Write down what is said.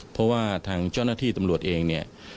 เพราะว่าทางเจ้าหน้าที่ตำรวจเองเนี่ย